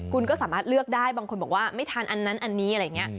คุณก็สามารถเลือกได้บางคนบอกว่าไม่ทานอันนั้นอันนี้อะไรอย่างนี้